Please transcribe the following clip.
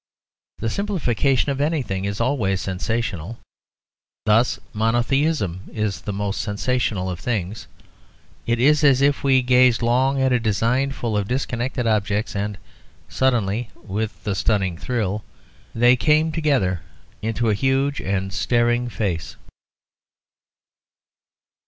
The simplification of anything is always sensational. Thus monotheism is the most sensational of things: it is as if we gazed long at a design full of disconnected objects, and, suddenly, with a stunning thrill, they came together into a huge and staring face.